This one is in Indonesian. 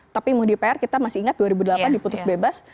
tapi muhdi pr kita masih ingat dua ribu delapan diputus bebas